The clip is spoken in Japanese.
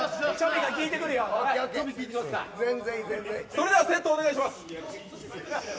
それではセットをお願いします。